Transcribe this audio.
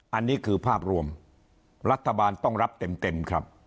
อันนี้คือภาพรวมรัฐบาลต้องรับเต็มครับ